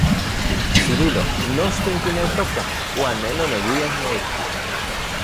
Cirilo, nochtin kineltokaj, uan ne noneuian noijki.